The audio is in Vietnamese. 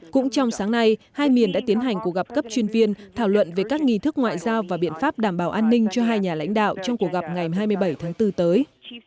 cũng trong sáng nay hai miền đã tiến hành cuộc gặp cấp chuyên viên thảo luận về các nghi thức ngoại giao và biện pháp đảm bảo an ninh cho hai nhà lãnh đạo trong cuộc gặp ngày hai mươi bảy tháng bốn tới